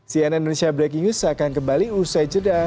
sianan indonesia breaking news akan kembali usai cedah